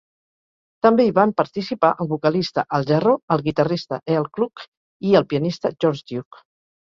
També hi van participar el vocalista Al Jarreau, el guitarrista Earl Klugh i el pianista George Duke.